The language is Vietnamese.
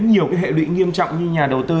nhiều cái hệ lụy nghiêm trọng như nhà đầu tư